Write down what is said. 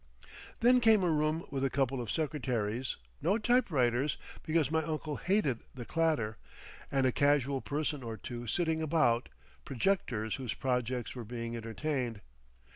Then came a room with a couple of secretaries—no typewriters, because my uncle hated the clatter—and a casual person or two sitting about, projectors whose projects were being entertained.